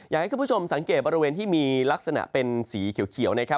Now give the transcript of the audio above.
อยากให้คุณผู้ชมสังเกตบริเวณที่มีลักษณะเป็นสีเขียวนะครับ